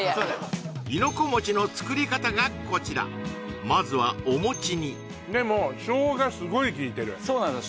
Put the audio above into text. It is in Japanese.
亥の子餅の作り方がこちらまずはお餅にでも生姜スゴいきいてるそうなんです